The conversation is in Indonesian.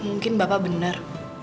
mungkin bapak benar